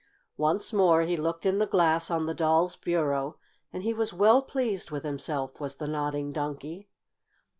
Once more he looked in the glass on the doll's bureau, and he was well pleased with himself, was the Nodding Donkey.